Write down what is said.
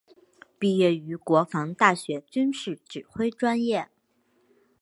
毕业于国防大学军事指挥专业。